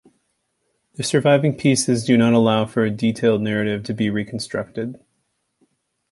The surviving pieces do not allow for a detailed narrative to be reconstructed.